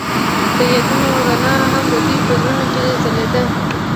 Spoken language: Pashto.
د یادونه رڼا هم د دوی په زړونو کې ځلېده.